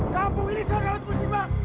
kampung ini sangat berhasil menjebak